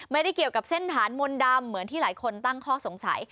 ไม่ได้เกี่ยวกับเส้นฐานมนต์ดำเหมือนที่หลายคนตั้งข้อสงสัย